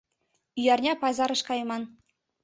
Ӱярня пазарыш кайыман.